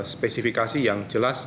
spesifikasi yang jelas